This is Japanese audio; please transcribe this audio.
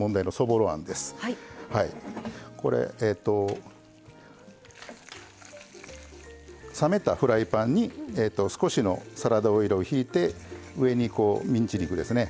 これえと冷めたフライパンに少しのサラダオイルをひいて上にミンチ肉ですね